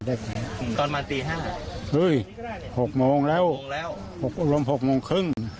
ตอนมาตี๕เฮ้ยหกโมงแล้วลง๖โมงครึ่ง